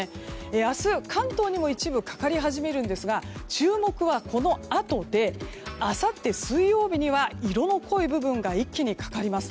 明日、関東にも一部かかり始めるんですが注目は、このあとであさって水曜日には色の濃い部分が一気にかかります。